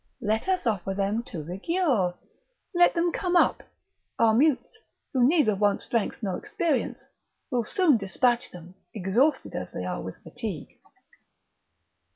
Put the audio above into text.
Let us offer them to the Giaour; let them come up; our mutes, who neither want strength nor experience, will soon despatch them, exhausted as they are with fatigue."